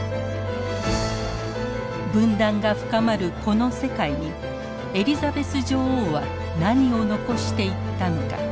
分断が深まるこの世界にエリザベス女王は何を遺していったのか。